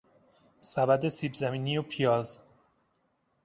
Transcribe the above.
سبد سیبزمینی و پیاز